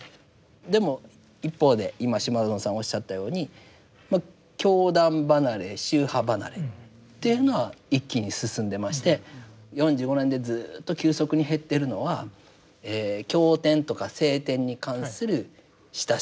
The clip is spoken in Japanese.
でも一方で今島薗さんおっしゃったようにまあ教団離れ宗派離れというのは一気に進んでまして４５年でずっと急速に減っているのはえ経典とか聖典に関する親しみ。